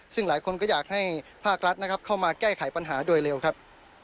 ซึ่งหลายคนก็อยากให้ภาครัฐนะครับเข้ามาแก้ไขปัญหาโดยเร็วครับ